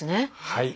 はい。